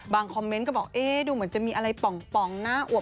บางคอมเมนต์ก็บอกดูเหมือนจะมีอะไรปองนะ